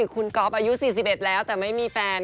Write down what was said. คุณก๊อฟอายุ๔๑แล้วแต่ไม่มีแฟน